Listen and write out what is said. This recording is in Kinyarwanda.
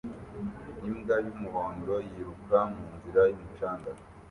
Imbwa y'umuhondo yiruka mu nzira y'umucanga